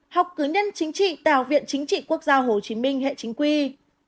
học cứ nhân chính trị tào viện chính trị quốc gia hồ chí minh hệ chính quy